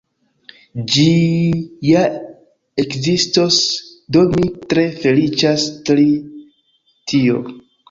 Ĝi ja ekzistos, do mi tre feliĉas pri tio